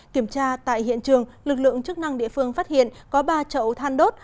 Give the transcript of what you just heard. kiểm tra tại hiện trường lực lượng chức năng địa phương phát hiện có ba chậu than đốt